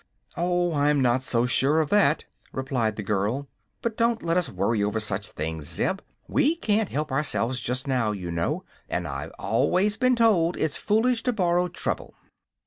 "Oh, I'm not so sure of that," replied the girl. "But don't let us worry over such things, Zeb; we can't help ourselves just now, you know, and I've always been told it's foolish to borrow trouble."